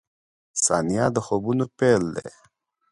• ثانیه د خوبونو پیل دی.